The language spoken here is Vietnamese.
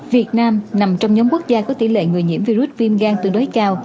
việt nam nằm trong nhóm quốc gia có tỷ lệ người nhiễm virus viêm gan tương đối cao